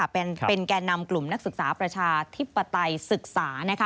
เป็นแก่นำกลุ่มนักศึกษาประชาธิปไตยศึกษา